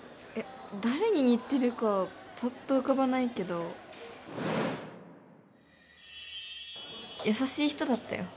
誰に似てるかはパッと浮かばないけど優しい人だったよ